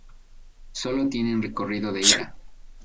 Solo tienen recorrido de ida.